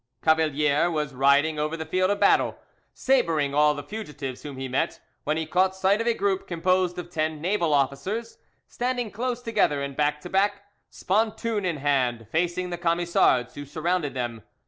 Cavalier was riding over the field of battle, sabring all the fugitives whom he met, when he caught sight of a group, composed of ten naval officers; standing close together and back to back, spontoon in hand, facing the Camisards, who surrounded them.